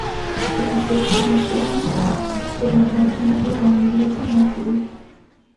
Se casó, razón por la cual su nombre cambió a Greta Maxwell.